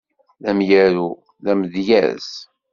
D amyaru, d amdyaz.